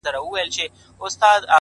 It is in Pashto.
o مُريد ښه دی ملگرو او که پير ښه دی.